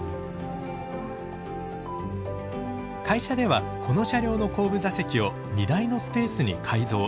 会社ではこの車両の後部座席を荷台のスペースに改造。